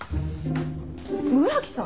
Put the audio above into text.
村木さん！？